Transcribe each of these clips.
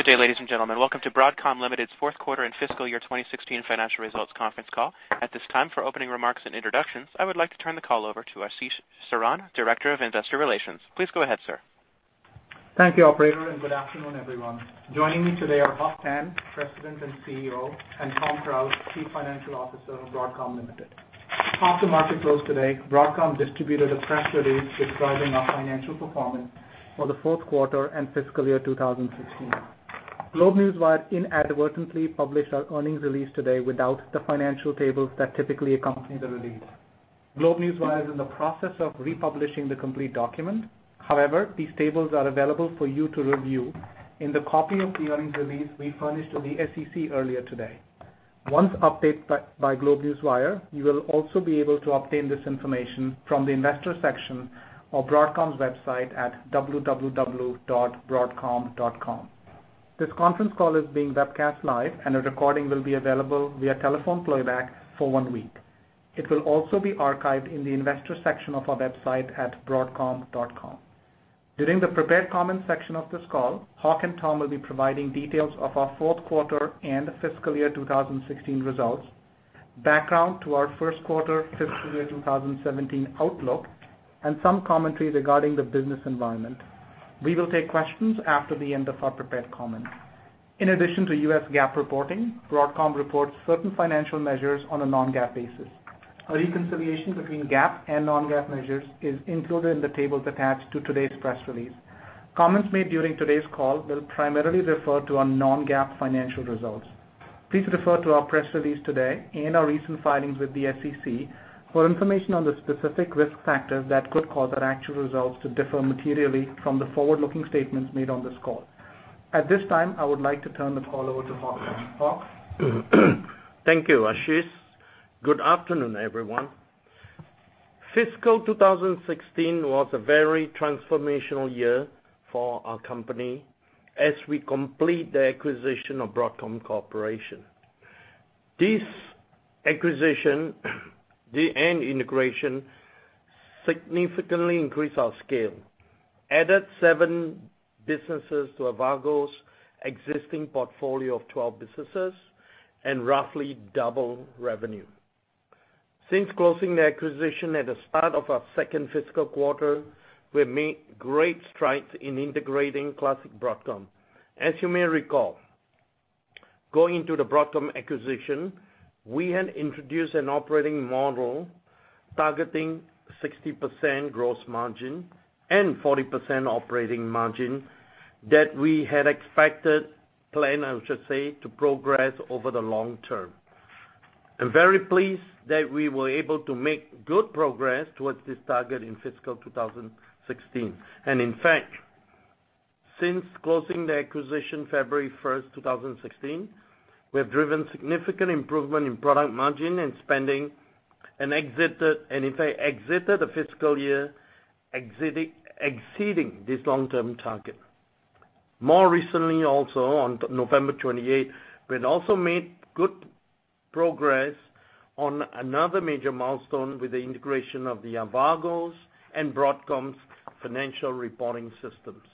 Good day, ladies and gentlemen. Welcome to Broadcom Limited's fourth quarter and fiscal year 2016 financial results conference call. At this time, for opening remarks and introductions, I would like to turn the call over to Ashish Saran, Director of Investor Relations. Please go ahead, sir. Thank you, operator, and good afternoon, everyone. Joining me today are Hock Tan, President and CEO, and Tom Krause, Chief Financial Officer of Broadcom Limited. After market close today, Broadcom distributed a press release describing our financial performance for the fourth quarter and fiscal year 2016. GlobeNewswire inadvertently published our earnings release today without the financial tables that typically accompany the release. GlobeNewswire is in the process of republishing the complete document. However, these tables are available for you to review in the copy of the earnings release we furnished with the SEC earlier today. Once updated by GlobeNewswire, you will also be able to obtain this information from the investor section of Broadcom's website at www.broadcom.com. This conference call is being webcast live, and a recording will be available via telephone playback for one week. It will also be archived in the investor section of our website at broadcom.com. During the prepared comments section of this call, Hock and Tom will be providing details of our fourth quarter and fiscal year 2016 results, background to our first quarter fiscal year 2017 outlook, and some commentary regarding the business environment. We will take questions after the end of our prepared comments. In addition to U.S. GAAP reporting, Broadcom reports certain financial measures on a non-GAAP basis. A reconciliation between GAAP and non-GAAP measures is included in the tables attached to today's press release. Comments made during today's call will primarily refer to our non-GAAP financial results. Please refer to our press release today and our recent filings with the SEC for information on the specific risk factors that could cause our actual results to differ materially from the forward-looking statements made on this call. At this time, I would like to turn the call over to Hock Tan. Hock? Thank you, Ashish. Good afternoon, everyone. Fiscal 2016 was a very transformational year for our company as we complete the acquisition of Broadcom Corporation. This acquisition and integration significantly increased our scale, added seven businesses to Avago's existing portfolio of 12 businesses, and roughly double revenue. Since closing the acquisition at the start of our second fiscal quarter, we have made great strides in integrating classic Broadcom. As you may recall, going into the Broadcom acquisition, we had introduced an operating model targeting 60% gross margin and 40% operating margin that we had expected, planned I should say, to progress over the long term. I'm very pleased that we were able to make good progress towards this target in fiscal 2016. In fact, since closing the acquisition February 1st, 2016, we have driven significant improvement in product margin and spending, and in fact exited the fiscal year exceeding this long-term target. More recently also, on November 28th, we had also made good progress on another major milestone with the integration of Avago's and Broadcom's financial reporting systems.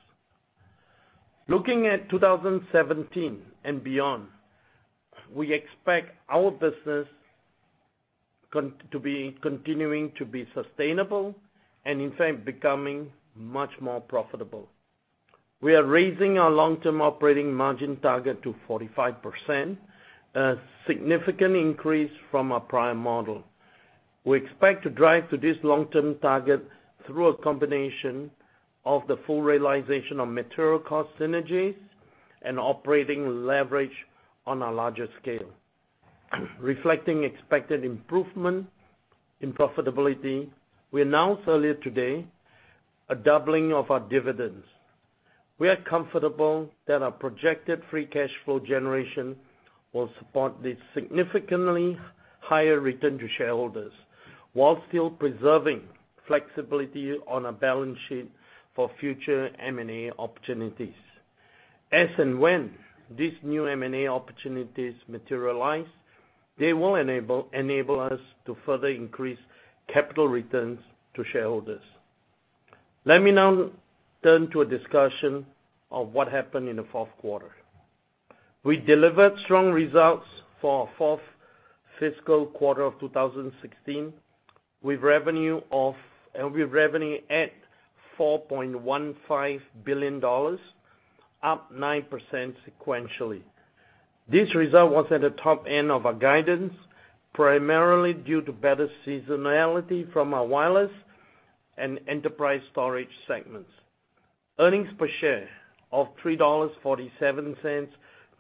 Looking at 2017 and beyond, we expect our business to be continuing to be sustainable and in fact, becoming much more profitable. We are raising our long-term operating margin target to 45%, a significant increase from our prior model. We expect to drive to this long-term target through a combination of the full realization of material cost synergies and operating leverage on a larger scale. Reflecting expected improvement in profitability, we announced earlier today a doubling of our dividends. We are comfortable that our projected free cash flow generation will support this significantly higher return to shareholders while still preserving flexibility on our balance sheet for future M&A opportunities. As and when these new M&A opportunities materialize, they will enable us to further increase capital returns to shareholders. Let me now turn to a discussion of what happened in the fourth quarter. We delivered strong results for our fourth fiscal quarter of 2016, with revenue at $4.15 billion, up 9% sequentially. This result was at the top end of our guidance, primarily due to better seasonality from our wireless and enterprise storage segments. Earnings per share of $3.47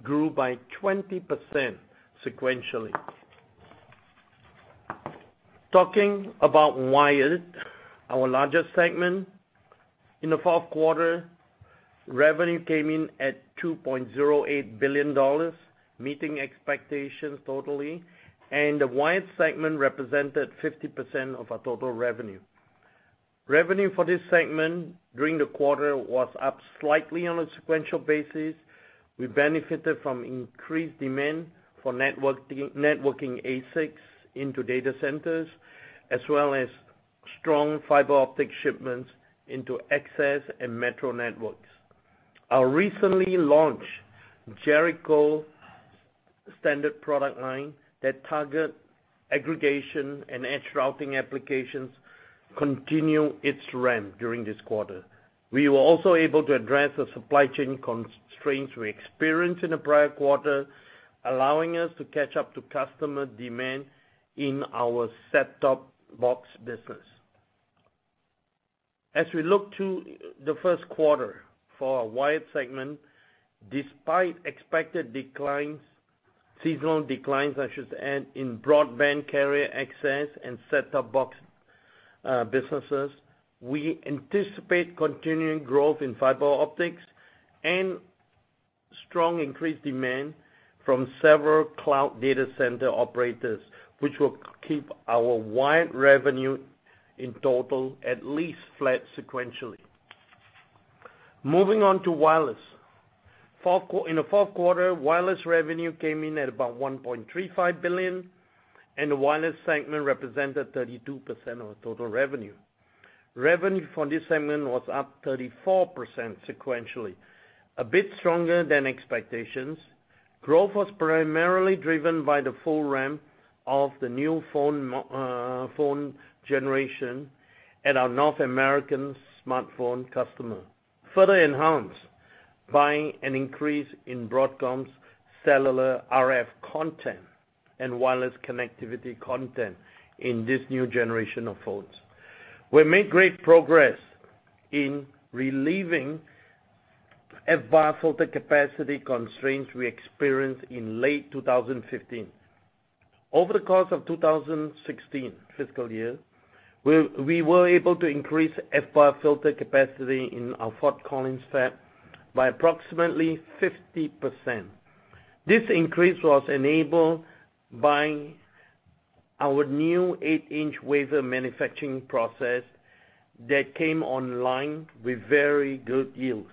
grew by 20% sequentially. Talking about wired, our largest segment. In the fourth quarter, revenue came in at $2.08 billion, meeting expectations totally, and the wired segment represented 50% of our total revenue. Revenue for this segment during the quarter was up slightly on a sequential basis. We benefited from increased demand for networking ASICs into data centers as well as strong fiber optic shipments into access and metro networks. Our recently launched Jericho standard product line that targets aggregation and edge routing applications continue its ramp during this quarter. We were also able to address the supply chain constraints we experienced in the prior quarter, allowing us to catch up to customer demand in our set-top box business. As we look to the first quarter for our wired segment, despite expected declines, seasonal declines, I should add, in broadband carrier access and set-top box businesses, we anticipate continuing growth in fiber optics and strong increased demand from several cloud data center operators, which will keep our wired revenue in total at least flat sequentially. Moving on to wireless. In the fourth quarter, wireless revenue came in at about $1.35 billion, and the wireless segment represented 32% of our total revenue. Revenue for this segment was up 34% sequentially, a bit stronger than expectations. Growth was primarily driven by the full ramp of the new phone generation at our North American smartphone customer, further enhanced by an increase in Broadcom's cellular RF content and wireless connectivity content in this new generation of phones. We made great progress in relieving FBAR filter capacity constraints we experienced in late 2015. Over the course of 2016 fiscal year, we were able to increase FBAR filter capacity in our Fort Collins fab by approximately 50%. This increase was enabled by our new eight-inch wafer manufacturing process that came online with very good yields.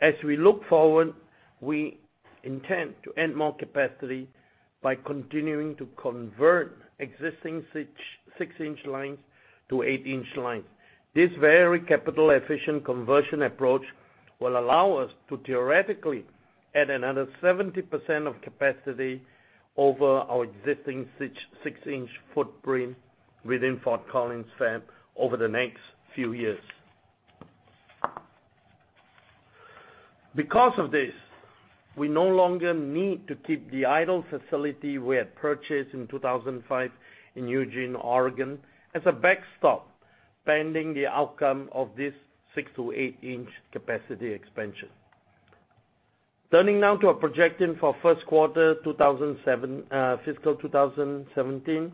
As we look forward, we intend to add more capacity by continuing to convert existing six-inch lines to eight-inch lines. This very capital-efficient conversion approach will allow us to theoretically add another 70% of capacity over our existing six-inch footprint within Fort Collins fab over the next few years. Because of this, we no longer need to keep the idle facility we had purchased in 2005 in Eugene, Oregon, as a backstop pending the outcome of this six to eight-inch capacity expansion. Turning now to our projection for first quarter fiscal 2017.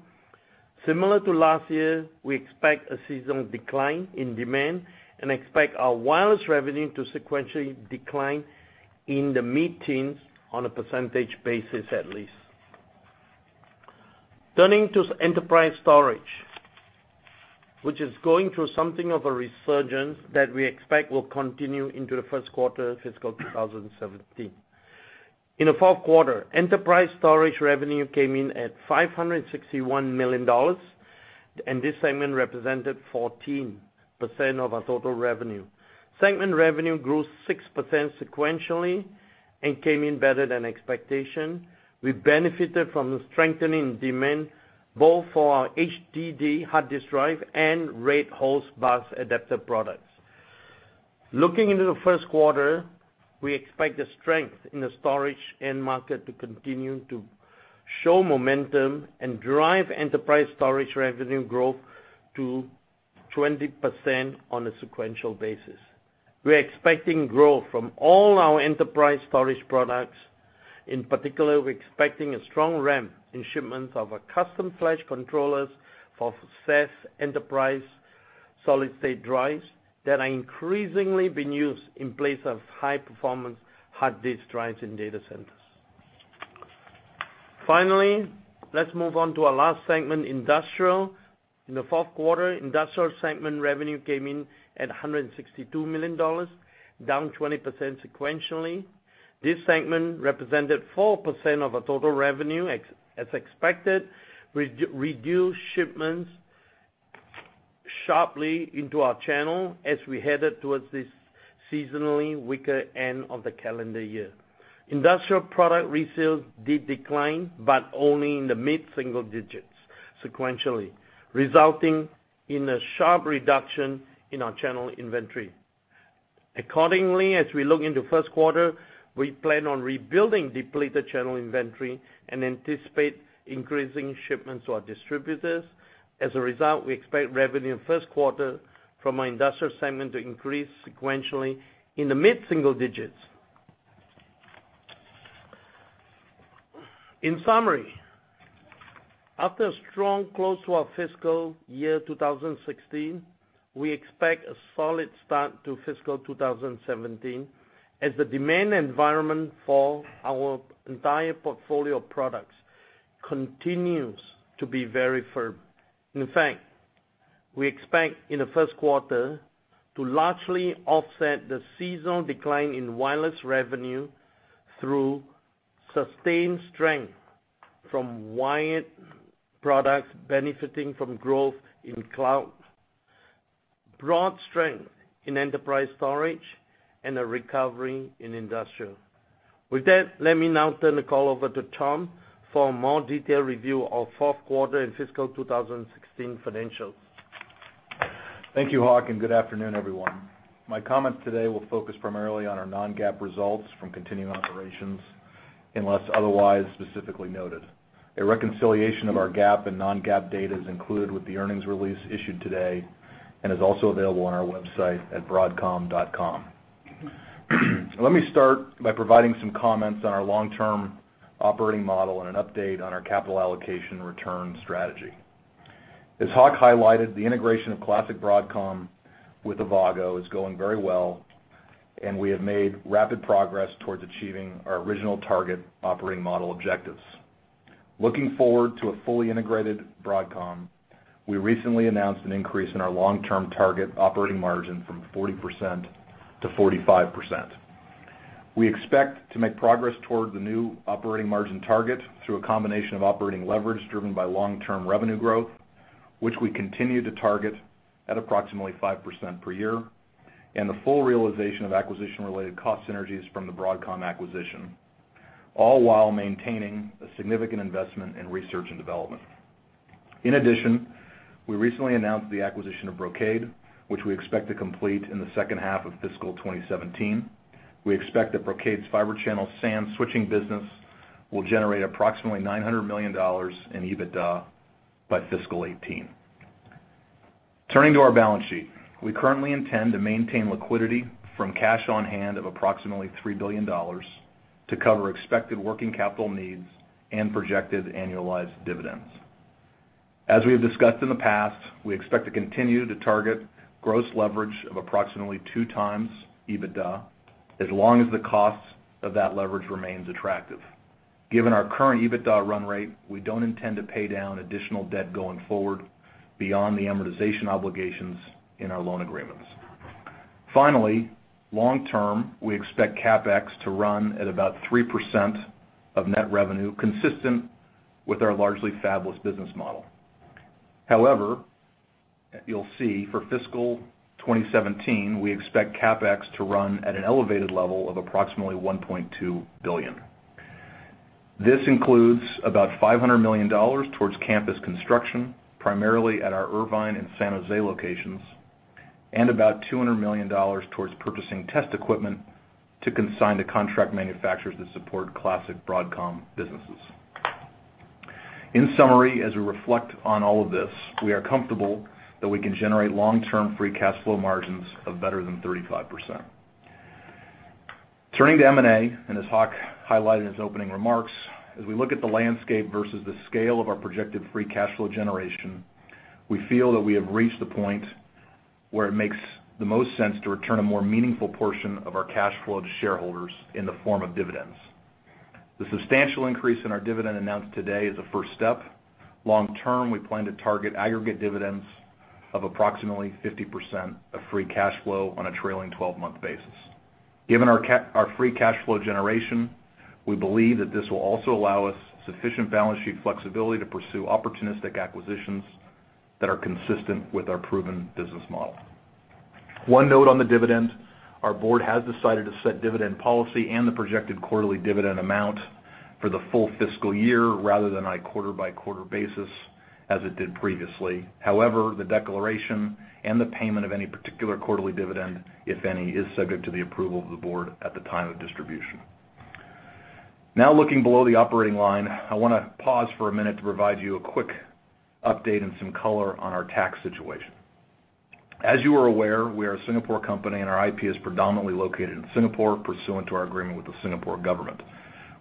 Similar to last year, we expect a seasonal decline in demand and expect our wireless revenue to sequentially decline in the mid-teens on a percentage basis, at least. Turning to enterprise storage, which is going through something of a resurgence that we expect will continue into the first quarter fiscal 2017. In the fourth quarter, enterprise storage revenue came in at $561 million, and this segment represented 14% of our total revenue. Segment revenue grew 6% sequentially and came in better than expectation. We benefited from the strengthening demand both for our HDD, hard disk drive, and RAID host bus adapter products. Looking into the first quarter, we expect the strength in the storage end market to continue to show momentum and drive enterprise storage revenue growth to 20% on a sequential basis. We're expecting growth from all our enterprise storage products. In particular, we're expecting a strong ramp in shipments of our custom flash controllers for SAS enterprise solid-state drives that are increasingly being used in place of high-performance hard disk drives in data centers. Finally, let's move on to our last segment, industrial. In the fourth quarter, industrial segment revenue came in at $162 million, down 20% sequentially. This segment represented 4% of our total revenue. As expected, reduced shipments sharply into our channel as we headed towards this seasonally weaker end of the calendar year. Industrial product resales did decline, but only in the mid-single digits sequentially, resulting in a sharp reduction in our channel inventory. Accordingly, as we look into first quarter, we plan on rebuilding depleted channel inventory and anticipate increasing shipments to our distributors. As a result, we expect revenue in first quarter from our industrial segment to increase sequentially in the mid-single digits. In summary, after a strong close to our fiscal year 2016, we expect a solid start to fiscal 2017 as the demand environment for our entire portfolio of products continues to be very firm. In fact, we expect in the first quarter to largely offset the seasonal decline in wireless revenue through sustained strength from wired products benefiting from growth in cloud, broad strength in enterprise storage, and a recovery in industrial. With that, let me now turn the call over to Tom for a more detailed review of fourth quarter and fiscal 2016 financials. Thank you, Hock, and good afternoon, everyone. My comments today will focus primarily on our non-GAAP results from continuing operations, unless otherwise specifically noted. A reconciliation of our GAAP and non-GAAP data is included with the earnings release issued today and is also available on our website at broadcom.com. Let me start by providing some comments on our long-term operating model and an update on our capital allocation return strategy. As Hock highlighted, the integration of classic Broadcom with Avago is going very well, and we have made rapid progress towards achieving our original target operating model objectives. Looking forward to a fully integrated Broadcom, we recently announced an increase in our long-term target operating margin from 40%-45%. We expect to make progress toward the new operating margin target through a combination of operating leverage driven by long-term revenue growth, which we continue to target at approximately 5% per year, and the full realization of acquisition-related cost synergies from the Broadcom acquisition, all while maintaining a significant investment in research and development. In addition, we recently announced the acquisition of Brocade, which we expect to complete in the second half of fiscal 2017. We expect that Brocade's fiber channel SAN switching business will generate approximately $900 million in EBITDA by fiscal 2018. Turning to our balance sheet. We currently intend to maintain liquidity from cash on hand of approximately $3 billion to cover expected working capital needs and projected annualized dividends. As we have discussed in the past, we expect to continue to target gross leverage of approximately two times EBITDA as long as the cost of that leverage remains attractive. Given our current EBITDA run rate, we don't intend to pay down additional debt going forward beyond the amortization obligations in our loan agreements. Finally, long term, we expect CapEx to run at about 3% of net revenue, consistent with our largely fabless business model. However, you'll see for fiscal 2017, we expect CapEx to run at an elevated level of approximately $1.2 billion. This includes about $500 million towards campus construction, primarily at our Irvine and San Jose locations, and about $200 million towards purchasing test equipment to consign to contract manufacturers that support classic Broadcom businesses. In summary, as we reflect on all of this, we are comfortable that we can generate long-term free cash flow margins of better than 35%. Turning to M&A, as Hock highlighted in his opening remarks, as we look at the landscape versus the scale of our projected free cash flow generation, we feel that we have reached the point where it makes the most sense to return a more meaningful portion of our cash flow to shareholders in the form of dividends. The substantial increase in our dividend announced today is a first step. Long term, we plan to target aggregate dividends of approximately 50% of free cash flow on a trailing 12-month basis. Given our free cash flow generation, we believe that this will also allow us sufficient balance sheet flexibility to pursue opportunistic acquisitions that are consistent with our proven business model. One note on the dividend, our board has decided to set dividend policy and the projected quarterly dividend amount for the full fiscal year rather than a quarter-by-quarter basis as it did previously. However, the declaration and the payment of any particular quarterly dividend, if any, is subject to the approval of the board at the time of distribution. Looking below the operating line, I want to pause for a minute to provide you a quick update and some color on our tax situation. As you are aware, we are a Singapore company, and our IP is predominantly located in Singapore pursuant to our agreement with the Singapore government.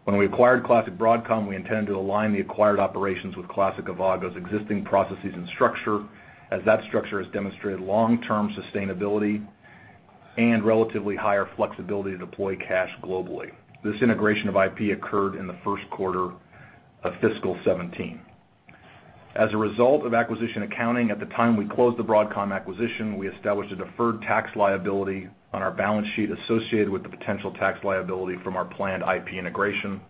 When we acquired Broadcom Corporation, we intended to align the acquired operations with Avago's existing processes and structure, as that structure has demonstrated long-term sustainability and relatively higher flexibility to deploy cash globally. This integration of IP occurred in the first quarter of FY 2017. As a result of acquisition accounting at the time we closed the Broadcom acquisition, we established a deferred tax liability on our balance sheet associated with the potential tax liability from our planned IP integration.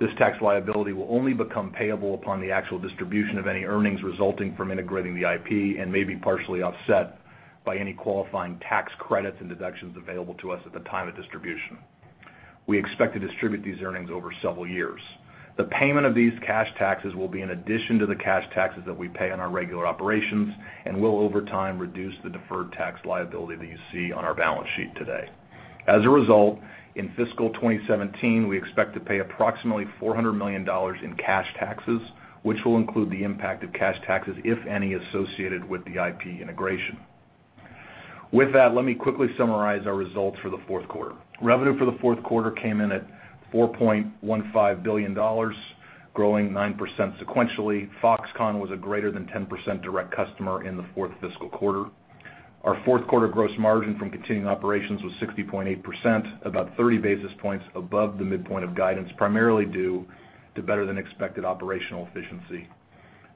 This tax liability will only become payable upon the actual distribution of any earnings resulting from integrating the IP and may be partially offset by any qualifying tax credits and deductions available to us at the time of distribution. We expect to distribute these earnings over several years. The payment of these cash taxes will be in addition to the cash taxes that we pay on our regular operations and will over time reduce the deferred tax liability that you see on our balance sheet today. As a result, in fiscal 2017, we expect to pay approximately $400 million in cash taxes, which will include the impact of cash taxes, if any, associated with the IP integration. Let me quickly summarize our results for the fourth quarter. Revenue for the fourth quarter came in at $4.15 billion, growing 9% sequentially. Foxconn was a greater than 10% direct customer in the fourth fiscal quarter. Our fourth quarter gross margin from continuing operations was 60.8%, about 30 basis points above the midpoint of guidance, primarily due to better than expected operational efficiency.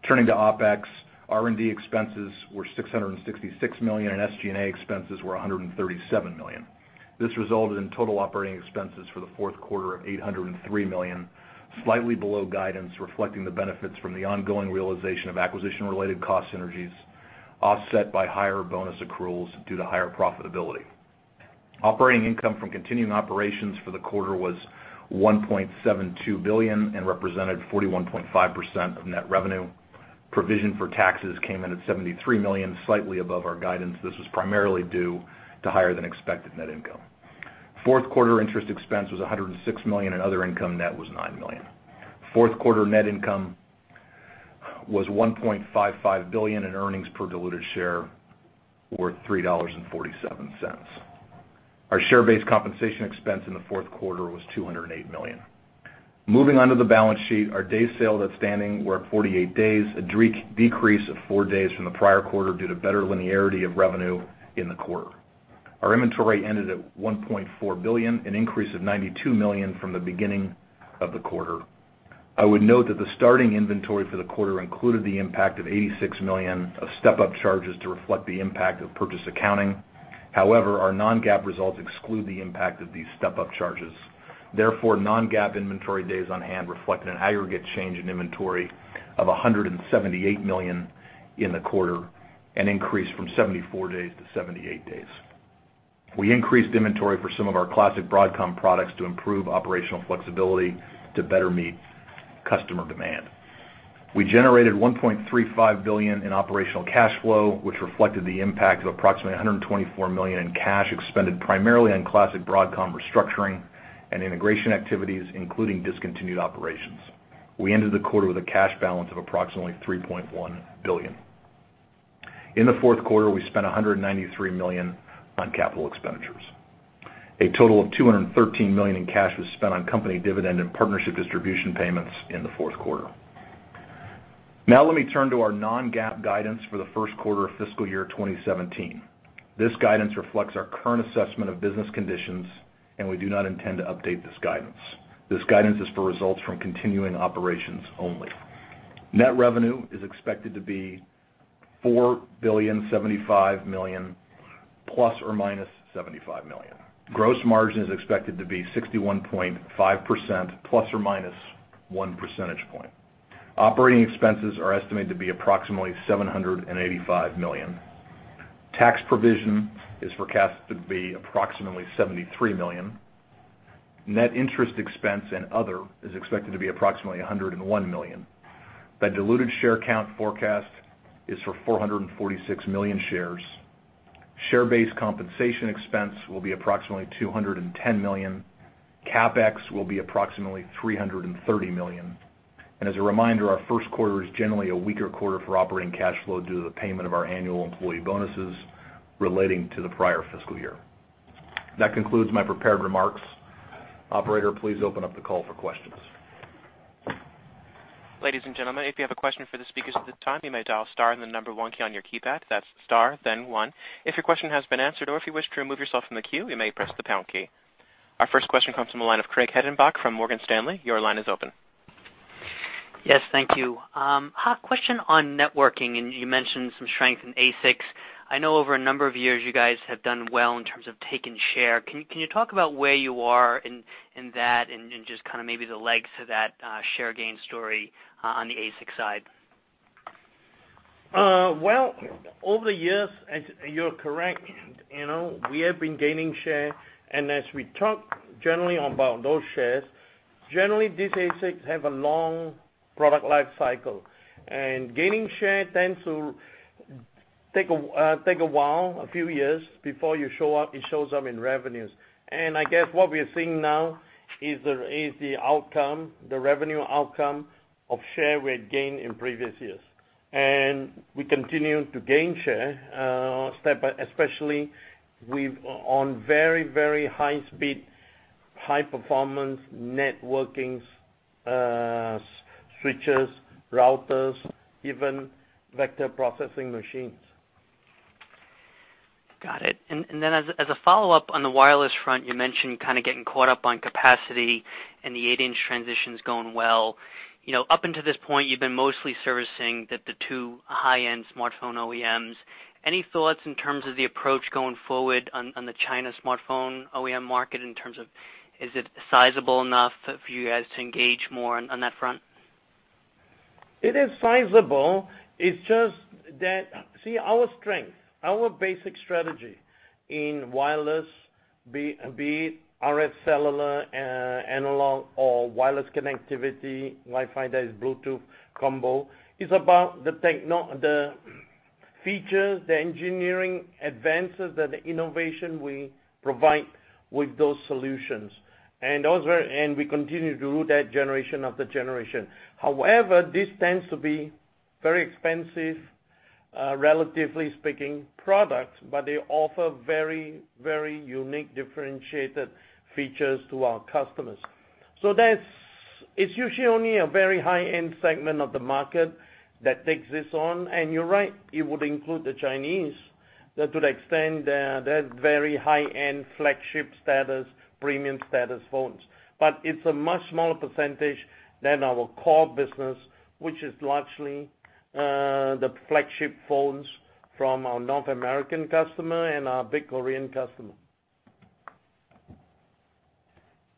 Turning to OpEx, R&D expenses were $666 million, and SG&A expenses were $137 million. This resulted in total operating expenses for the fourth quarter of $803 million, slightly below guidance, reflecting the benefits from the ongoing realization of acquisition-related cost synergies, offset by higher bonus accruals due to higher profitability. Operating income from continuing operations for the quarter was $1.72 billion and represented 41.5% of net revenue. Provision for taxes came in at $73 million, slightly above our guidance. This was primarily due to higher than expected net income. Fourth quarter interest expense was $106 million, and other income net was $9 million. Fourth-quarter net income was $1.55 billion, and earnings per diluted share were $3.47. Our share-based compensation expense in the fourth quarter was $208 million. Moving on to the balance sheet, our DSO were at 48 days, a decrease of four days from the prior quarter due to better linearity of revenue in the quarter. Our inventory ended at $1.4 billion, an increase of $92 million from the beginning of the quarter. I would note that the starting inventory for the quarter included the impact of $86 million of step-up charges to reflect the impact of purchase accounting. However, our non-GAAP results exclude the impact of these step-up charges. Therefore, non-GAAP inventory days on hand reflect an aggregate change in inventory of $178 million in the quarter, an increase from 74 days to 78 days. We increased inventory for some of our classic Broadcom products to improve operational flexibility to better meet customer demand. We generated $1.35 billion in operational cash flow, which reflected the impact of approximately $124 million in cash expended primarily on classic Broadcom restructuring and integration activities, including discontinued operations. We ended the quarter with a cash balance of approximately $3.1 billion. In the fourth quarter, we spent $193 million on capital expenditures. A total of $213 million in cash was spent on company dividend and partnership distribution payments in the fourth quarter. Let me turn to our non-GAAP guidance for the first quarter of fiscal year 2017. This guidance reflects our current assessment of business conditions, and we do not intend to update this guidance. This guidance is for results from continuing operations only. Net revenue is expected to be $4,075 million, ±$75 million. Gross margin is expected to be 61.5%, plus or minus one percentage point. Operating expenses are estimated to be approximately $785 million. Tax provision is forecast to be approximately $73 million. Net interest expense and other is expected to be approximately $101 million. The diluted share count forecast is for 446 million shares. Share-based compensation expense will be approximately $210 million. CapEx will be approximately $330 million. As a reminder, our first quarter is generally a weaker quarter for operating cash flow due to the payment of our annual employee bonuses relating to the prior fiscal year. That concludes my prepared remarks. Operator, please open up the call for questions. Ladies and gentlemen, if you have a question for the speakers at this time, you may dial star and the number 1 key on your keypad. That's star, 1. If your question has been answered or if you wish to remove yourself from the queue, you may press the pound key. Our first question comes from the line of Craig Hettenbach from Morgan Stanley. Your line is open. Yes, thank you. Question on networking. You mentioned some strength in ASICs. I know over a number of years, you guys have done well in terms of taking share. Can you talk about where you are in that and just kind of maybe the legs to that share gain story on the ASIC side? Well, over the years, you're correct. We have been gaining share. As we talk generally about those shares, generally, these ASICs have a long product life cycle. Gaining share tends to take a while, a few years, before it shows up in revenues. I guess what we're seeing now is the revenue outcome of share we had gained in previous years. We continue to gain share, especially on very high-speed, high-performance networking switches, routers, even vector processing machines. Got it. As a follow-up on the wireless front, you mentioned kind of getting caught up on capacity and the 8-inch transition's going well. Up until this point, you've been mostly servicing the two high-end smartphone OEMs. Any thoughts in terms of the approach going forward on the China smartphone OEM market in terms of, is it sizable enough for you guys to engage more on that front? It is sizable. It's just that, see, our strength, our basic strategy in wireless, be it RF cellular, analog, or wireless connectivity, Wi-Fi chips, Bluetooth combo, is about the features, the engineering advances, the innovation we provide with those solutions. We continue to do that generation after generation. However, this tends to be very expensive, relatively speaking, products. They offer very unique, differentiated features to our customers. It's usually only a very high-end segment of the market that takes this on. You're right, it would include the Chinese. That to the extent they're very high-end, flagship status, premium status phones. It's a much smaller percentage than our core business, which is largely the flagship phones from our North American customer and our big Korean customer.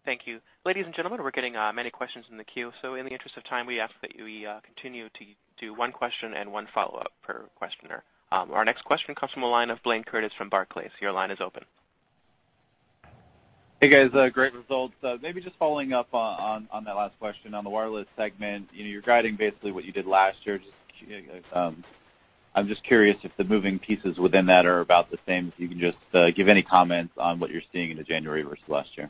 Thank you. Ladies and gentlemen, we're getting many questions in the queue, in the interest of time, we ask that we continue to do one question and one follow-up per questioner. Our next question comes from the line of Blayne Curtis from Barclays. Your line is open. Hey, guys, great results. Maybe just following up on that last question on the wireless segment. You're guiding basically what you did last year. I'm just curious if the moving pieces within that are about the same. If you can just give any comments on what you're seeing into January versus last year.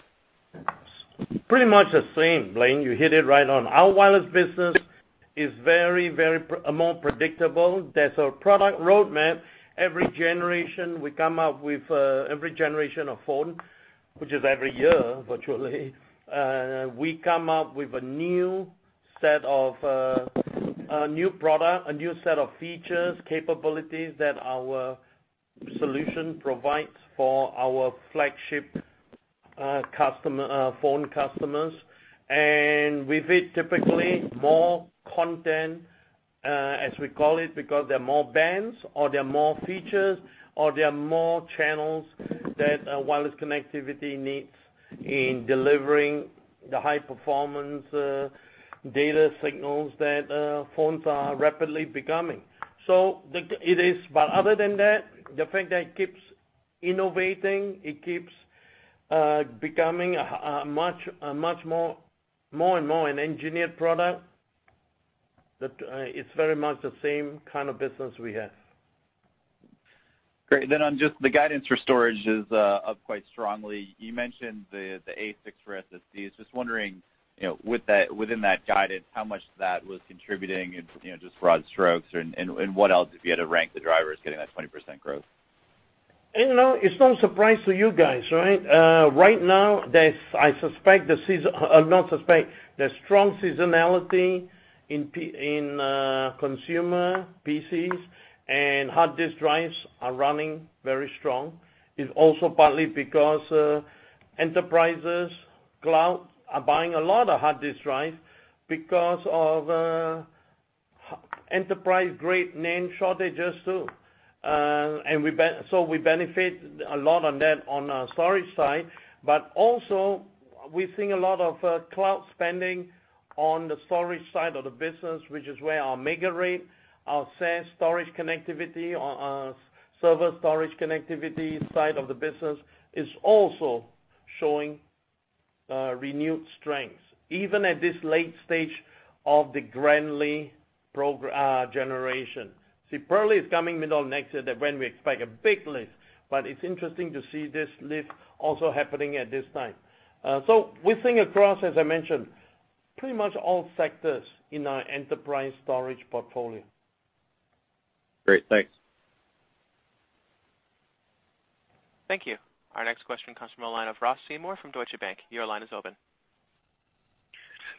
Pretty much the same, Blayne. You hit it right on. Our wireless business is very more predictable. There's a product roadmap. Every generation of phone, which is every year, virtually, we come up with a new set of features, capabilities that our solution provides for our flagship phone customers. With it, typically, more content, as we call it, because there are more bands, or there are more features, or there are more channels that wireless connectivity needs in delivering the high-performance data signals that phones are rapidly becoming. Other than that, the fact that it keeps innovating, it keeps becoming much more an engineered product, that it's very much the same kind of business we have. Great. On just the guidance for storage is up quite strongly. You mentioned the ASICs for SSD. I was just wondering, within that guidance, how much that was contributing in just broad strokes and what else, if you had to rank the drivers getting that 20% growth. It's no surprise to you guys. Right now, I suspect there's strong seasonality in consumer PCs, and hard disk drives are running very strong. It's also partly because enterprises, clouds are buying a lot of hard disk drives because of enterprise-grade NAND shortages, too. We benefit a lot on that on our storage side, but also we're seeing a lot of cloud spending on the storage side of the business, which is where our MegaRAID, our SAN storage connectivity, our server storage connectivity side of the business is also showing renewed strength, even at this late stage of the Grantley generation. Purley is coming middle of next year. That is when we expect a big lift, but it's interesting to see this lift also happening at this time. We're seeing across, as I mentioned, pretty much all sectors in our enterprise storage portfolio. Great. Thanks. Thank you. Our next question comes from the line of Ross Seymore from Deutsche Bank. Your line is open.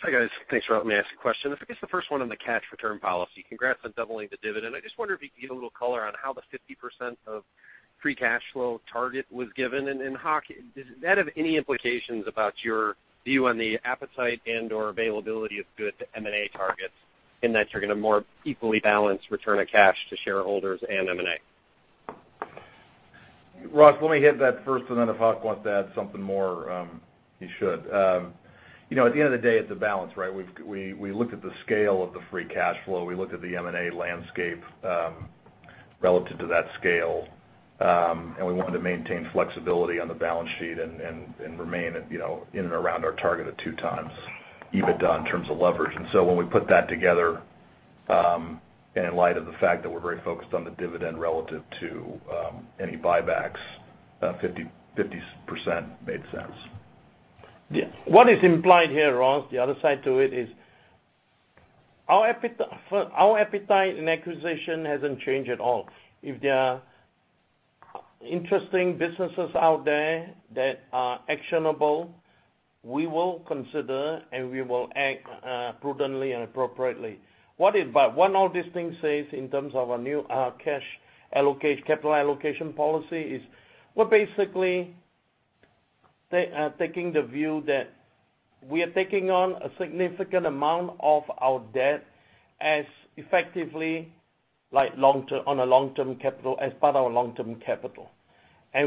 Hi, guys. Thanks for letting me ask a question. I guess the first one on the cash return policy. Congrats on doubling the dividend. I just wonder if you could give a little color on how the 50% of free cash flow target was given. Hock, does that have any implications about your view on the appetite and/or availability of good M&A targets in that you're going to more equally balance return of cash to shareholders and M&A? Ross, let me hit that first. Then if Hock wants to add something more, he should. At the end of the day, it's a balance. We looked at the scale of the free cash flow. We looked at the M&A landscape relative to that scale. We wanted to maintain flexibility on the balance sheet and remain in and around our target of 2 times EBITDA in terms of leverage. When we put that together, in light of the fact that we're very focused on the dividend relative to any buybacks, 50% made sense. Yeah. What is implied here, Ross, the other side to it is our appetite in acquisition hasn't changed at all. If there are interesting businesses out there that are actionable, we will consider. We will act prudently and appropriately. What all these things say in terms of our new cash capital allocation policy is we're basically taking the view that we are taking on a significant amount of our debt as effectively as part of our long-term capital.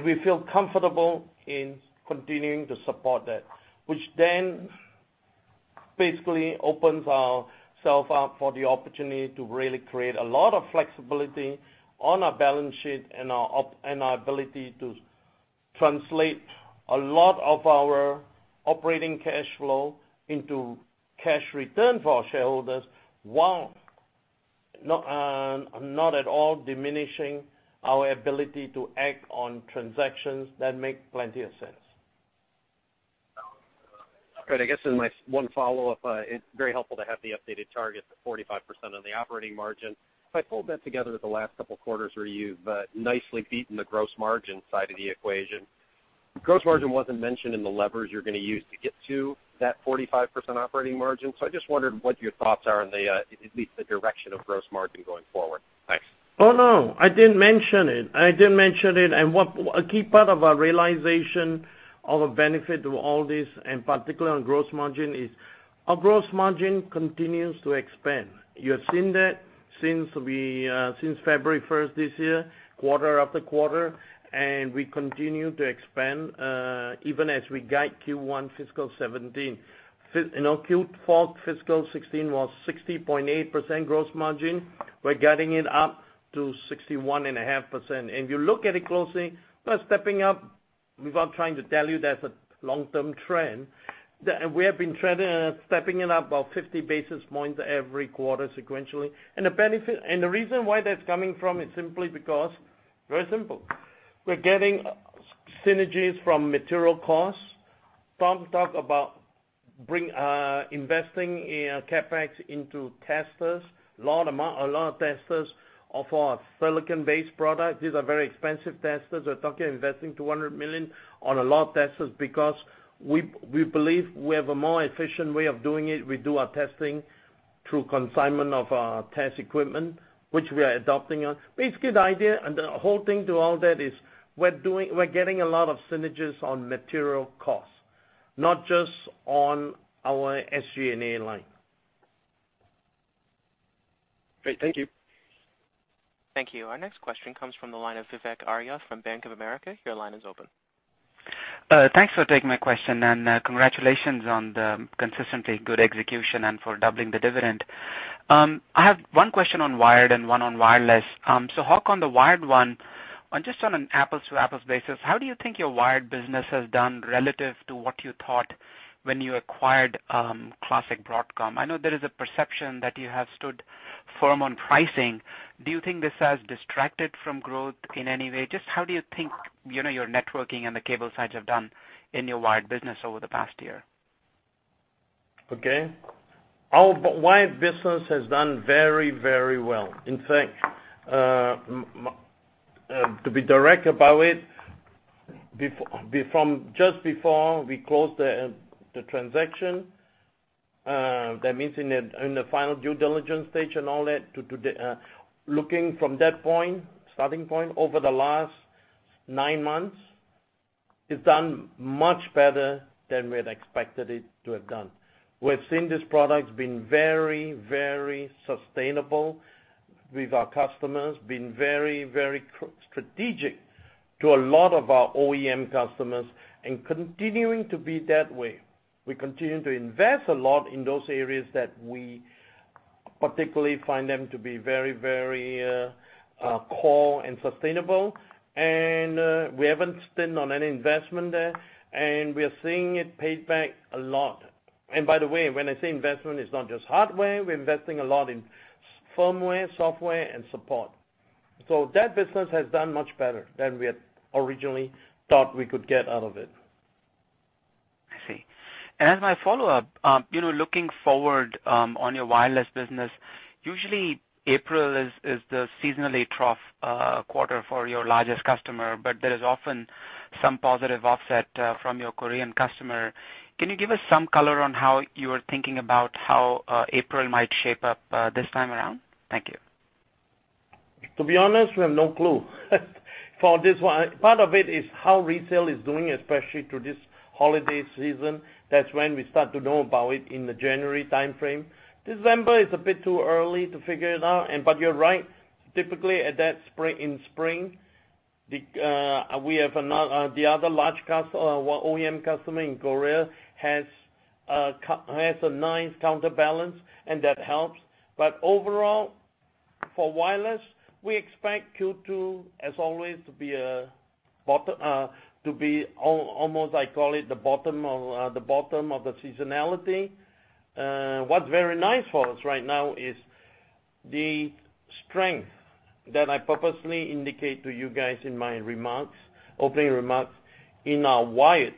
We feel comfortable in continuing to support that, which then basically opens ourself up for the opportunity to really create a lot of flexibility on our balance sheet and our ability to translate a lot of our operating cash flow into cash return for our shareholders while not at all diminishing our ability to act on transactions that make plenty of sense. Great. I guess in my one follow-up, it's very helpful to have the updated target to 45% on the operating margin. If I pulled that together with the last couple of quarters where you've nicely beaten the gross margin side of the equation. Gross margin wasn't mentioned in the levers you're going to use to get to that 45% operating margin. I just wondered what your thoughts are on at least the direction of gross margin going forward. Thanks. Oh, no. I didn't mention it. I didn't mention it. A key part of our realization of a benefit to all this, and particularly on gross margin, is our gross margin continues to expand. You have seen that since February 1st this year, quarter after quarter, and we continue to expand, even as we guide Q1 fiscal 2017. Q4 fiscal 2016 was 60.8% gross margin. We're getting it up to 61.5%. If you look at it closely, we're stepping up without trying to tell you that's a long-term trend. We have been stepping it up about 50 basis points every quarter sequentially. The reason why that's coming from is simply because, very simple. We're getting synergies from material costs. Tom talked about investing in CapEx into testers, a lot of testers of our silicon-based product. These are very expensive testers. We're talking investing $200 million on a lot of testers because we believe we have a more efficient way of doing it. We do our testing through consignment of our test equipment, which we are adopting. Basically, the idea and the whole thing to all that is we're getting a lot of synergies on material costs, not just on our SG&A line. Great. Thank you. Thank you. Our next question comes from the line of Vivek Arya from Bank of America. Your line is open. Thanks for taking my question, and congratulations on the consistently good execution and for doubling the dividend. I have one question on wired and one on wireless. Hock, on the wired one, just on an apples-to-apples basis, how do you think your wired business has done relative to what you thought when you acquired classic Broadcom? I know there is a perception that you have stood firm on pricing. Do you think this has distracted from growth in any way? Just how do you think your networking and the cable sides have done in your wired business over the past year? Okay. Our wired business has done very, very well. In fact, to be direct about it, from just before we closed the transaction, that means in the final due diligence stage and all that, looking from that point, starting point, over the last nine months, it's done much better than we had expected it to have done. We've seen this product's been very, very sustainable with our customers, been very, very strategic to a lot of our OEM customers and continuing to be that way. We continue to invest a lot in those areas that we particularly find them to be very, very core and sustainable. We haven't stint on any investment there, and we are seeing it paid back a lot. By the way, when I say investment, it's not just hardware. We're investing a lot in firmware, software, and support. That business has done much better than we had originally thought we could get out of it. I see. As my follow-up, looking forward, on your wireless business, usually April is the seasonally trough quarter for your largest customer, but there is often some positive offset from your Korean customer. Can you give us some color on how you are thinking about how April might shape up this time around? Thank you. To be honest, we have no clue for this one. Part of it is how retail is doing, especially through this holiday season. That's when we start to know about it in the January timeframe. December is a bit too early to figure it out. You're right. Typically, in spring, the other large OEM customer in Korea has a nice counterbalance, and that helps. Overall, for wireless, we expect Q2, as always, to be almost, I call it, the bottom of the seasonality. What's very nice for us right now is the strength that I purposely indicate to you guys in my opening remarks in our wired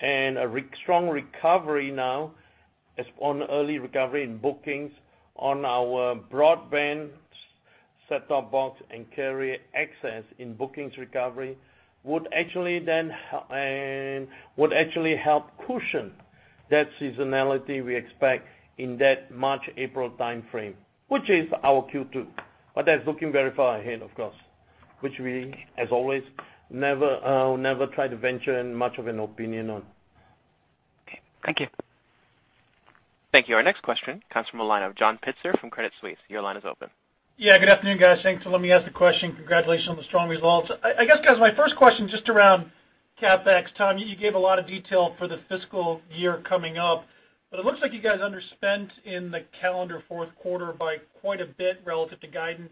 and a strong recovery now as on early recovery in bookings on our broadband set-top box and carrier access in bookings recovery would actually help cushion that seasonality we expect in that March-April timeframe, which is our Q2. That's looking very far ahead, of course, which we, as always, never try to venture in much of an opinion on. Okay. Thank you. Thank you. Our next question comes from the line of John Pitzer from Credit Suisse. Your line is open. Good afternoon, guys. Thanks for letting me ask the question. Congratulations on the strong results. I guess, guys, my first question is just around CapEx. Tom, you gave a lot of detail for the fiscal year coming up, but it looks like you guys underspent in the calendar fourth quarter by quite a bit relative to guidance.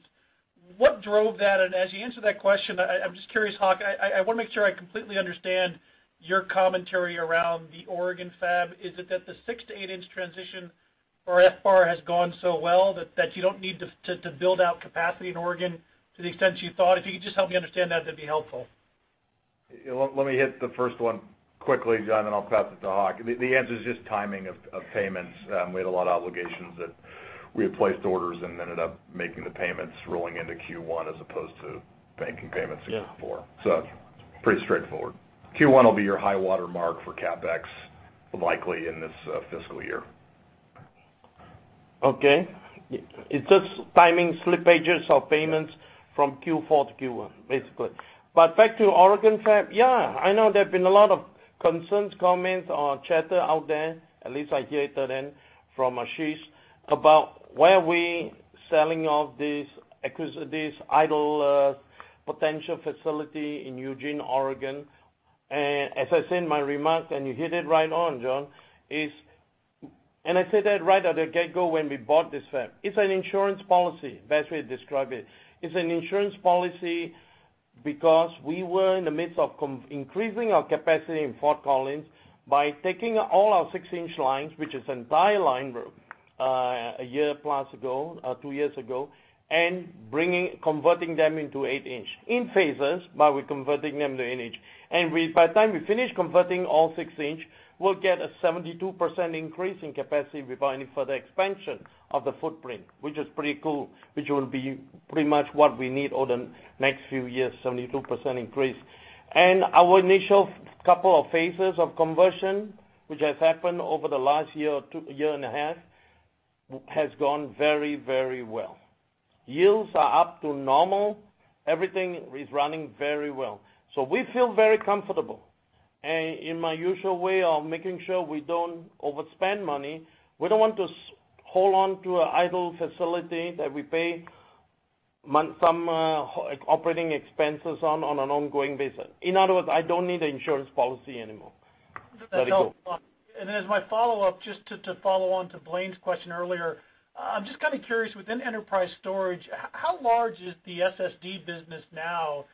What drove that? As you answer that question, I'm just curious, Hock, I want to make sure I completely understand your commentary around the Oregon fab. Is it that the 6 to 8-inch transition for FBAR has gone so well that you don't need to build out capacity in Oregon to the extent you thought? If you could just help me understand that would be helpful. Let me hit the first one quickly, John. I'll pass it to Hock. The answer is just timing of payments. We had a lot of obligations that we had placed orders and ended up making the payments rolling into Q1 as opposed to making payments in Q4. Yeah. Pretty straightforward. Q1 will be your high water mark for CapEx, likely in this fiscal year. Okay. It's just timing slippages of payments from Q4 to Q1, basically. Back to Oregon fab. I know there have been a lot of concerns, comments, or chatter out there, at least I hear it then from Ashish, about why are we selling off this idle potential facility in Eugene, Oregon. As I said in my remarks, and you hit it right on, John, I said that right at the get-go when we bought this fab. It's an insurance policy, best way to describe it. It's an insurance policy because we were in the midst of increasing our capacity in Fort Collins by taking all our six-inch lines, which is an entire line a year plus ago, two years ago, and converting them into eight-inch. In phases, but we're converting them to eight-inch. By the time we finish converting all six-inch, we'll get a 72% increase in capacity without any further expansion of the footprint, which is pretty cool, which will be pretty much what we need over the next few years, 72% increase. Our initial couple of phases of conversion, which has happened over the last year or two, year and a half, has gone very well. Yields are up to normal. Everything is running very well. We feel very comfortable. In my usual way of making sure we don't overspend money, we don't want to hold on to an idle facility that we pay some operating expenses on an ongoing basis. In other words, I don't need the insurance policy anymore. Let it go. As my follow-up, just to follow on to Blayne's question earlier, I'm just curious, within enterprise storage, how large is the SSD business now?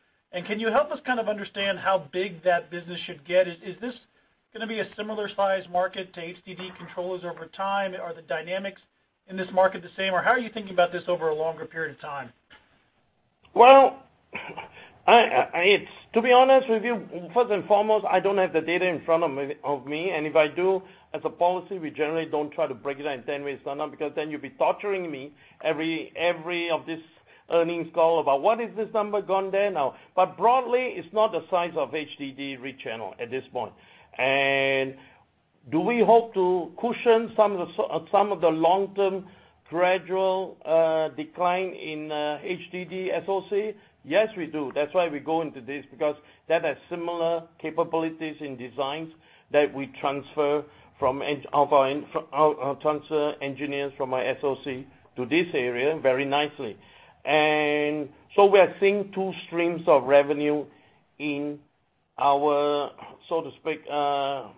Can you help us understand how big that business should get? Is this going to be a similar size market to HDD controllers over time? Are the dynamics in this market the same, or how are you thinking about this over a longer period of time? Well, to be honest with you, first and foremost, I don't have the data in front of me. If I do, as a policy, we generally don't try to break it down in 10 ways or not because then you'll be torturing me every of this earnings call about what is this number gone there now. Broadly, it's not the size of HDD read channel at this point. Do we hope to cushion some of the long-term gradual decline in HDD SOC? Yes, we do. That's why we go into this, because that has similar capabilities in designs that we transfer engineers from our SOC to this area very nicely. We are seeing two streams of revenue in our, so to speak, our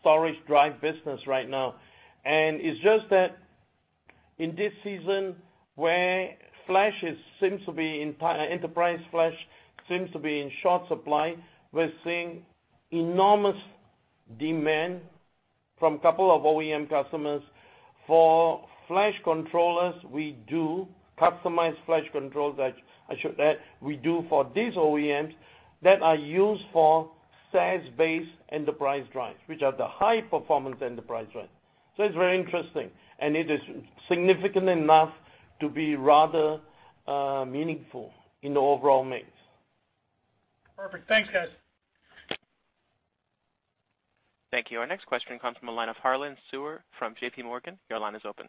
storage drive business right now. It's just that in this season where enterprise flash seems to be in short supply, we're seeing enormous demand from a couple of OEM customers for flash controllers we do, customized flash controls that I should add, we do for these OEMs that are used for SAS-based enterprise drives, which are the high-performance enterprise drives. It's very interesting, and it is significant enough to be rather meaningful in the overall mix. Perfect. Thanks, guys. Thank you. Our next question comes from the line of Harlan Sur from J.P. Morgan. Your line is open.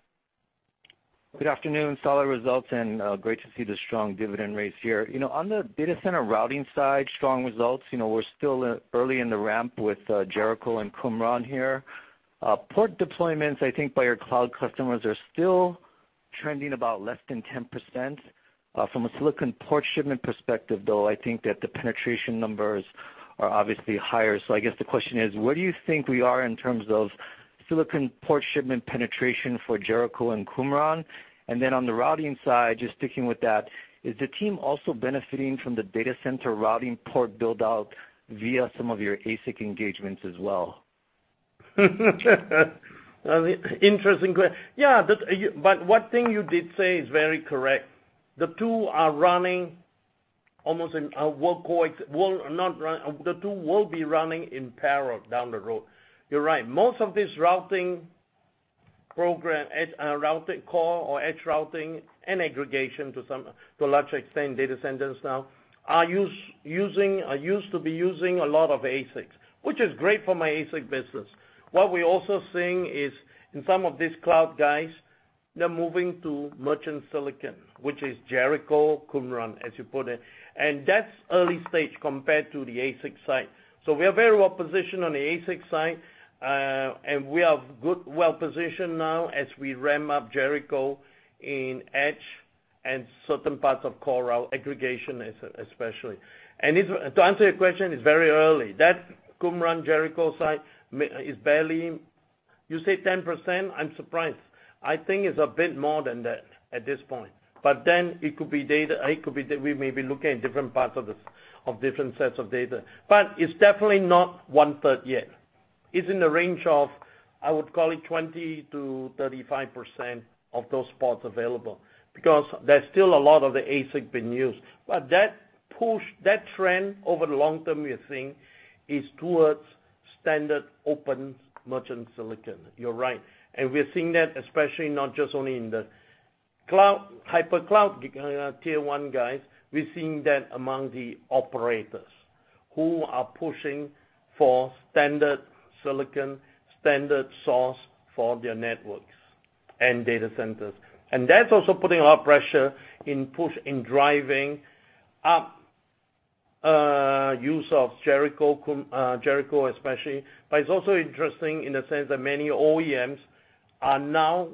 Good afternoon. Solid results and great to see the strong dividend raise here. On the data center routing side, strong results. We're still early in the ramp with Jericho and Qumran here. Port deployments, I think by your cloud customers are still trending about less than 10%. From a silicon port shipment perspective, though, I think that the penetration numbers are obviously higher. I guess the question is, where do you think we are in terms of silicon port shipment penetration for Jericho and Qumran? On the routing side, just sticking with that, is the team also benefiting from the data center routing port build-out via some of your ASIC engagements as well? Interesting. One thing you did say is very correct. The two will be running in parallel down the road. You're right. Most of this routing program, core or edge routing and aggregation to a large extent, data centers now, used to be using a lot of ASICs, which is great for my ASIC business. What we're also seeing is in some of these cloud guys, they're moving to merchant silicon, which is Jericho, Qumran, as you put it. That's early stage compared to the ASIC side. We are very well-positioned on the ASIC side, and we are well-positioned now as we ramp up Jericho in edge and certain parts of core route aggregation, especially. To answer your question, it's very early. That Qumran Jericho side is barely, you say 10%, I'm surprised. I think it's a bit more than that at this point. It could be we may be looking at different parts of different sets of data. It's definitely not one-third yet. It's in the range of, I would call it, 20%-35% of those spots available, because there's still a lot of the ASIC being used. That trend over the long term, we think, is towards standard open merchant silicon. You're right. We are seeing that especially not just only in the hyper-cloud tier 1 guys. We're seeing that among the operators who are pushing for standard silicon, standard source for their networks and data centers. That's also putting a lot of pressure in push, in driving up use of Jericho, especially. It's also interesting in the sense that many OEMs are now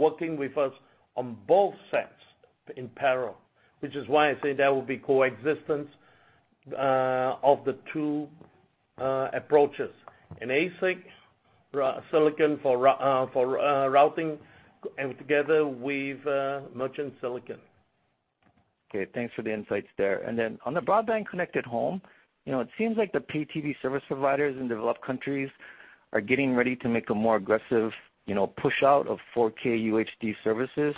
working with us on both sets in parallel, which is why I say there will be coexistence of the two approaches. An ASIC silicon for routing together with merchant silicon. Okay. Thanks for the insights there. On the broadband-connected home, it seems like the pay TV service providers in developed countries are getting ready to make a more aggressive push out of 4K UHD services,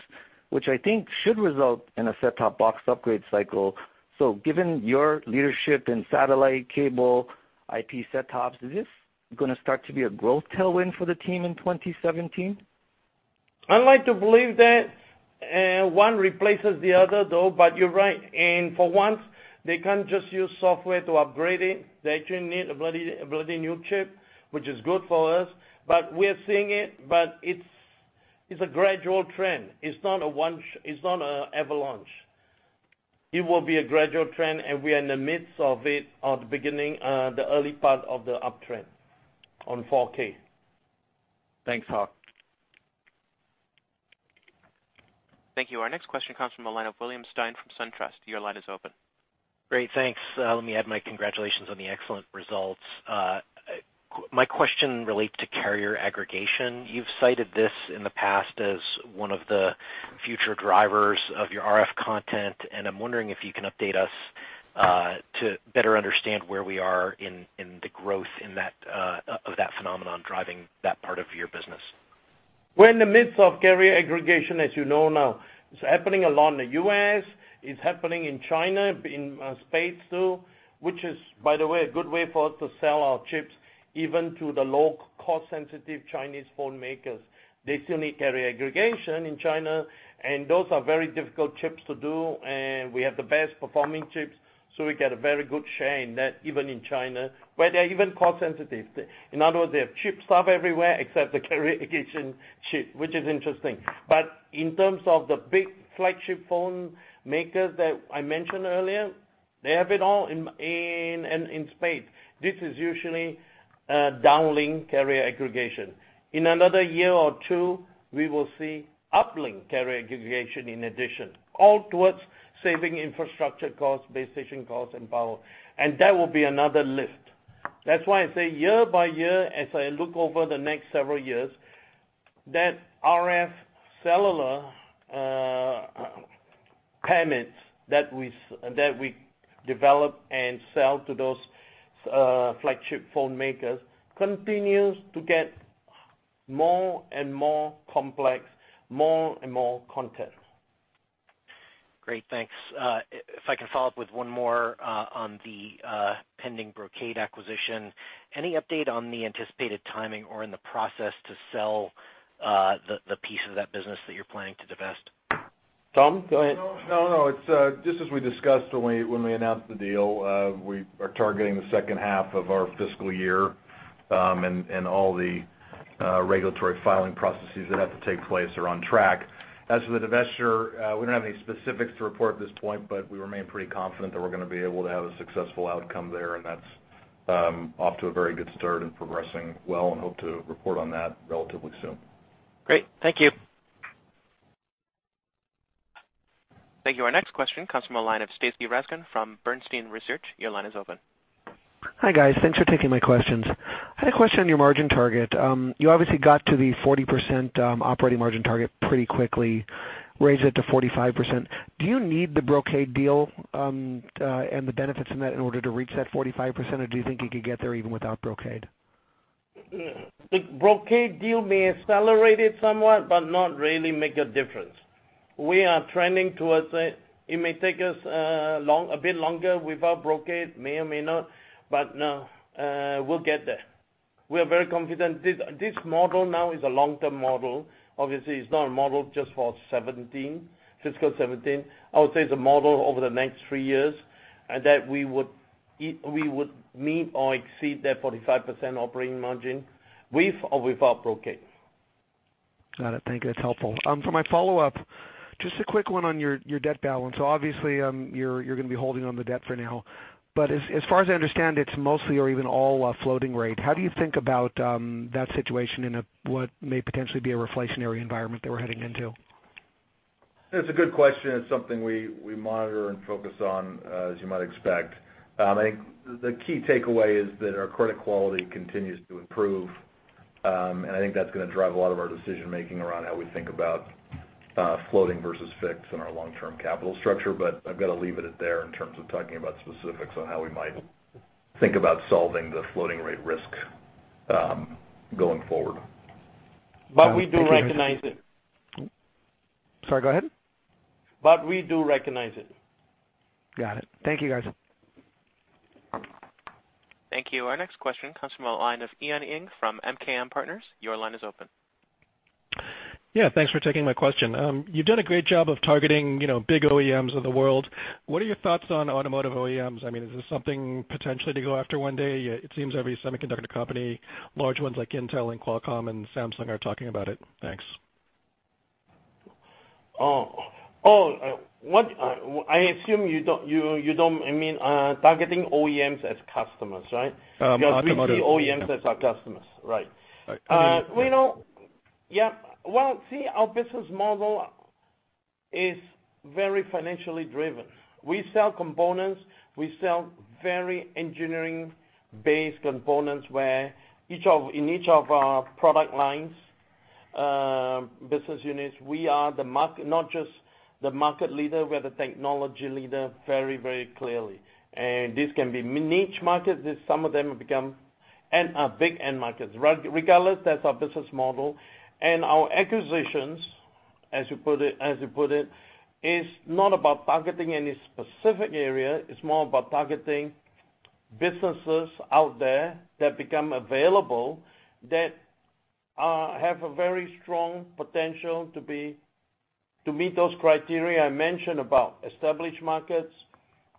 which I think should result in a set-top box upgrade cycle. Given your leadership in satellite cable IP set tops, is this going to start to be a growth tailwind for the team in 2017? I'd like to believe that one replaces the other, though. You're right. For once, they can't just use software to upgrade it. They actually need a bloody new chip, which is good for us. We are seeing it. It's a gradual trend. It's not an avalanche. It will be a gradual trend. We are in the midst of it, or the beginning, the early part of the uptrend on 4K. Thanks, Hock. Thank you. Our next question comes from the line of William Stein from SunTrust. Your line is open. Great. Thanks. Let me add my congratulations on the excellent results. My question relates to carrier aggregation. You've cited this in the past as one of the future drivers of your RF content, and I'm wondering if you can update us to better understand where we are in the growth of that phenomenon driving that part of your business. We're in the midst of carrier aggregation, as you know now. It's happening along the U.S., it's happening in China, in spades, too. By the way, a good way for us to sell our chips, even to the low-cost sensitive Chinese phone makers. They still need carrier aggregation in China. Those are very difficult chips to do. We have the best performing chips, so we get a very good share in that, even in China, where they're even cost sensitive. In other words, they have chips up everywhere except the carrier aggregation chip, which is interesting. In terms of the big flagship phone makers that I mentioned earlier, they have it all and in spades. This is usually downlink carrier aggregation. In another year or two, we will see uplink carrier aggregation in addition, all towards saving infrastructure costs, base station costs, and power. That will be another lift. That's why I say year by year, as I look over the next several years, that RF cellular payments that we develop and sell to those flagship phone makers continues to get more and more complex, more and more content. Great. Thanks. If I can follow up with one more on the pending Brocade acquisition. Any update on the anticipated timing or in the process to sell the piece of that business that you're planning to divest? Tom, go ahead. No, it's just as we discussed when we announced the deal. We are targeting the second half of our fiscal year, and all the regulatory filing processes that have to take place are on track. As for the divestiture, we don't have any specifics to report at this point, but we remain pretty confident that we're going to be able to have a successful outcome there, and that's off to a very good start and progressing well and hope to report on that relatively soon. Great. Thank you. Thank you. Our next question comes from the line of Stacy Rasgon from Bernstein Research. Your line is open. Hi, guys. Thanks for taking my questions. I had a question on your margin target. You obviously got to the 40% operating margin target pretty quickly, raised it to 45%. Do you need the Brocade deal and the benefits in that in order to reach that 45%, or do you think you could get there even without Brocade? The Brocade deal may accelerate it somewhat, but not really make a difference. We are trending towards it. It may take us a bit longer without Brocade, may or may not, but no, we'll get there. We are very confident. This model now is a long-term model. Obviously, it's not a model just for fiscal 2017. I would say it's a model over the next three years that we would meet or exceed that 45% operating margin with or without Brocade. Got it. Thank you. That's helpful. For my follow-up, just a quick one on your debt balance. Obviously, you're going to be holding on the debt for now, but as far as I understand, it's mostly or even all floating rate. How do you think about that situation in what may potentially be a reflationary environment that we're heading into? It's a good question. It's something we monitor and focus on, as you might expect. I think the key takeaway is that our credit quality continues to improve. I think that's going to drive a lot of our decision making around how we think about floating versus fixed in our long-term capital structure. I've got to leave it at there in terms of talking about specifics on how we might think about solving the floating rate risk going forward. We do recognize it. Sorry, go ahead. We do recognize it. Got it. Thank you, guys. Thank you. Our next question comes from the line of Ian Ing from MKM Partners. Your line is open. Yeah, thanks for taking my question. You've done a great job of targeting big OEMs of the world. What are your thoughts on automotive OEMs? Is this something potentially to go after one day? It seems every semiconductor company, large ones like Intel and Qualcomm and Samsung are talking about it. Thanks. Oh. I assume you don't mean targeting OEMs as customers, right? Automotive. Because we see OEMs as our customers. Right. Right. Well, see, our business model is very financially driven. We sell components, we sell very engineering-based components where in each of our product lines, business units, we are not just the market leader, we're the technology leader very clearly. This can be niche markets, some of them become big end markets. Regardless, that's our business model and our acquisitions, as you put it, is not about targeting any specific area, it's more about targeting businesses out there that become available, that have a very strong potential to meet those criteria I mentioned about established markets,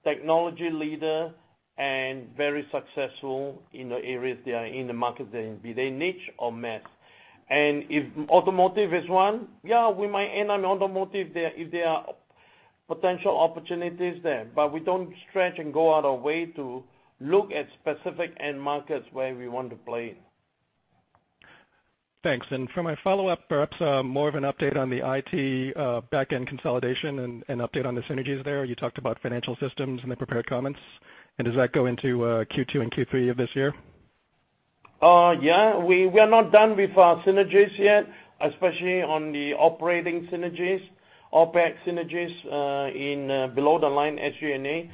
technology leader, and very successful in the areas they are in the market, be they niche or mass. If automotive is one, yeah, we might end on automotive if there are potential opportunities there. We don't stretch and go out of way to look at specific end markets where we want to play in. Thanks. For my follow-up, perhaps more of an update on the IT backend consolidation and update on the synergies there. You talked about financial systems in the prepared comments, does that go into Q2 and Q3 of this year? We are not done with our synergies yet, especially on the operating synergies, OpEx synergies in below the line SG&A.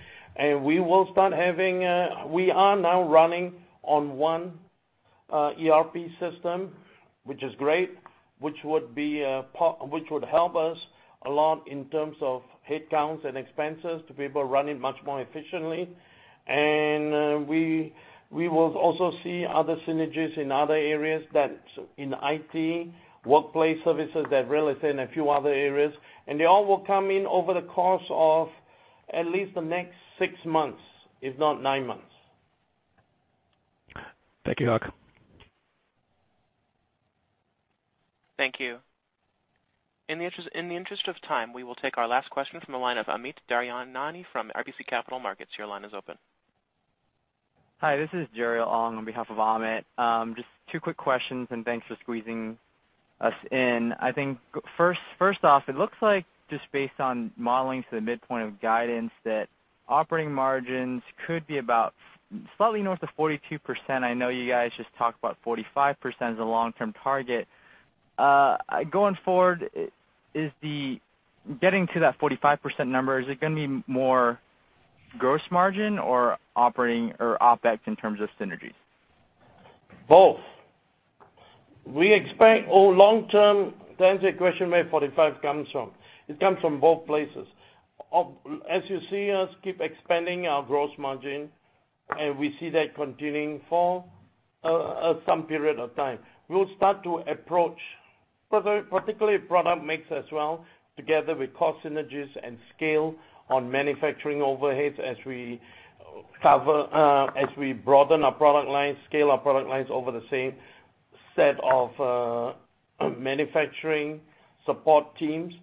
We are now running on one ERP system, which is great, which would help us a lot in terms of headcounts and expenses to be able to run it much more efficiently. We will also see other synergies in other areas in IT, workplace services, real estate and a few other areas, and they all will come in over the course of at least the next six months, if not nine months. Thank you, Hock. Thank you. In the interest of time, we will take our last question from the line of Amit Daryanani from RBC Capital Markets. Your line is open. Hi, this is Dariel on behalf of Amit. Just two quick questions. Thanks for squeezing us in. I think first off, it looks like just based on modeling to the midpoint of guidance, that operating margins could be about slightly north of 42%. I know you guys just talked about 45% as a long-term target. Going forward, getting to that 45% number, is it going to be more gross margin or operating or OpEx in terms of synergies? Both. To answer your question, where 45% comes from, it comes from both places. As you see us keep expanding our gross margin, and we see that continuing for some period of time. We'll start to approach, particularly product mix as well, together with cost synergies and scale on manufacturing overheads as we broaden our product lines, scale our product lines over the same set of manufacturing support teams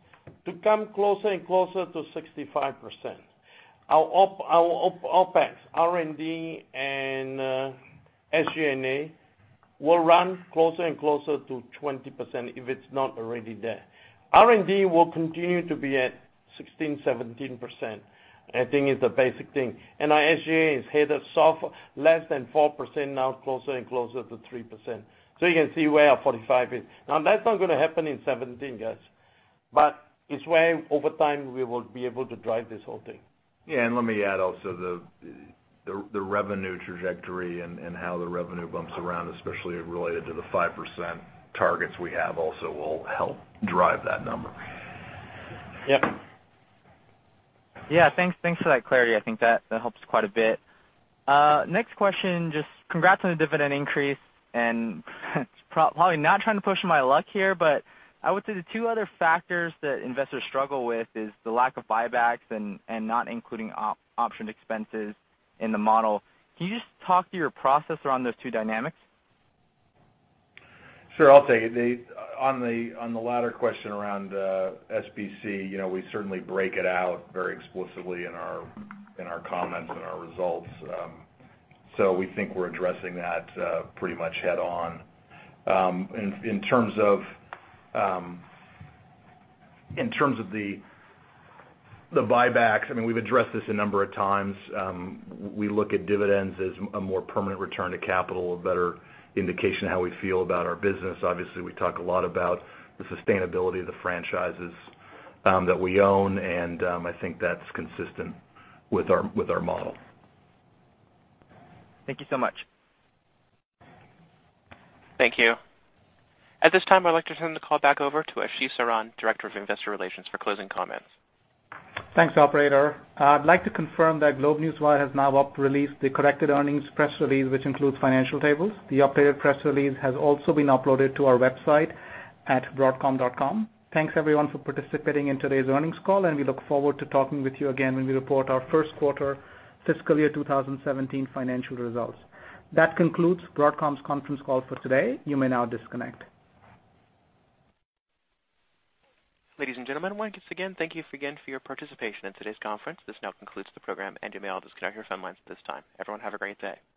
to come closer and closer to 65%. Our OpEx, R&D and SG&A will run closer and closer to 20%, if it's not already there. R&D will continue to be at 16%-17%, I think is the basic thing. Our SG&A is headed south, less than 4% now, closer and closer to 3%. You can see where our 45% is. Now, that's not going to happen in 2017, guys. It's where over time we will be able to drive this whole thing. Yeah, let me add also the revenue trajectory and how the revenue bumps around, especially related to the 5% targets we have also will help drive that number. Yeah. Thanks for that clarity. I think that helps quite a bit. Next question, just congrats on the dividend increase and probably not trying to push my luck here, but I would say the two other factors that investors struggle with is the lack of buybacks and not including option expenses in the model. Can you just talk to your process around those two dynamics? Sure. I'll take it. On the latter question around SBC, we certainly break it out very explicitly in our comments and our results. We think we're addressing that pretty much head on. In terms of the buybacks, we've addressed this a number of times. We look at dividends as a more permanent return to capital, a better indication of how we feel about our business. Obviously, we talk a lot about the sustainability of the franchises that we own, and I think that's consistent with our model. Thank you so much. Thank you. At this time, I'd like to turn the call back over to Ashish Saran, Director of Investor Relations, for closing comments. Thanks, operator. I'd like to confirm that GlobeNewswire has now released the corrected earnings press release, which includes financial tables. The updated press release has also been uploaded to our website at broadcom.com. Thanks everyone for participating in today's earnings call, and we look forward to talking with you again when we report our first quarter fiscal year 2017 financial results. That concludes Broadcom's conference call for today. You may now disconnect. Ladies and gentlemen, once again, thank you again for your participation in today's conference. This now concludes the program, and you may all disconnect your phone lines at this time. Everyone have a great day.